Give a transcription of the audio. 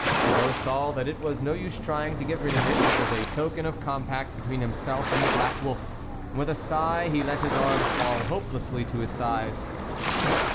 Thibault saw that it was no use trying to get rid of it ; it was a token of compact between himself and the black wolf, and THE WOLF LEADER 103 with a sigh he let his arms fall hopelessly to his sides.